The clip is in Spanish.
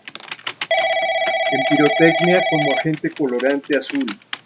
En pirotecnia como agente colorante azul.